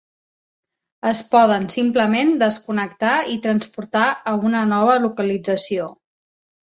Es poden simplement desconnectar i transportar a una nova localització.